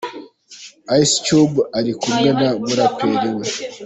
Ice Cube ari kumwe n’umuraperi W.